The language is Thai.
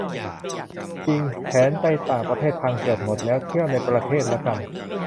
จริง แผนไปต่างประเทศพังเกือบหมดแล้ว เที่ยวในประเทศละกัน